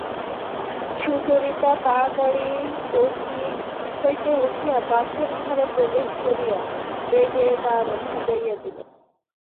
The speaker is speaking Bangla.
সুচরিতা তাড়াতাড়ি চৌকি হইতে উঠিয়া পাশের ঘরে প্রবেশ করিয়া বেগে দ্বার ভেজাইয়া দিল।